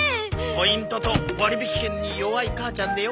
ポイントと割引券に弱い母ちゃんでよかったなあ。